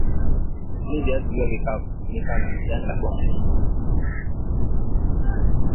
Ili viazi viwe vikavu funika na jani la mgomba